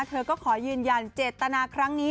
เธอก็ขอยืนยันเจตนาครั้งนี้